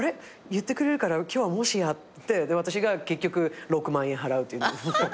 言ってくれるから今日はもしやって私が結局６万円払うという。